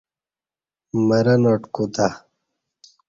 مرں ناٹ کُتہ